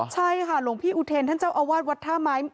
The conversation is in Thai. ใช่ค่ะหลวงพี่อุเทรนท่านเจ้าอาวาสวัดท่าไม้